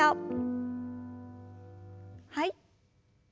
はい。